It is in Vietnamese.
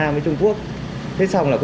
em lấy cho người nhà em